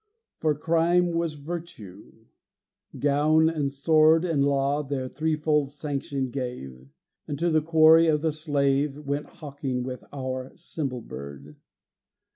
For crime was virtue: Gown and Sword And Law their threefold sanction gave, And to the quarry of the slave Went hawking with our symbol bird.